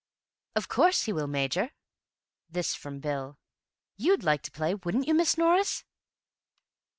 "Of course he will, Major." This from Bill. "You'd like to play, wouldn't you, Miss Norris?"